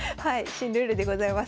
新ルールでございます。